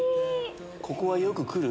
ここはよく来る？